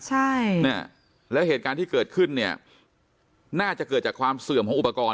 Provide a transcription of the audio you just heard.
ใช่เนี่ยแล้วเหตุการณ์ที่เกิดขึ้นเนี่ยน่าจะเกิดจากความเสื่อมของอุปกรณ์